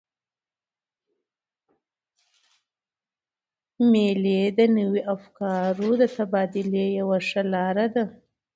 مېلې د نوو افکارو د تبادلې یوه ښه لاره ده.